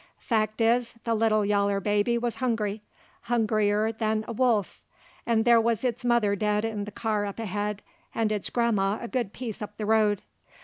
Fact is, the little yaller baby wuz hungry, hungrier 'n a wolf, 'nd there wuz its mother dead in the car up ahead 'nd its gran'ma a good piece up the road.